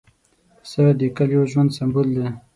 پسه د کلیو ژوند سمبول دی.